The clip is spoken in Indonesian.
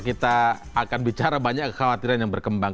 kita akan bicara banyak kekhawatiran yang berkembang